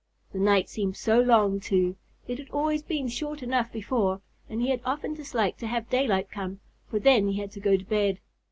The night seemed so long, too. It had always been short enough before, and he had often disliked to have daylight come, for then he had to go to bed.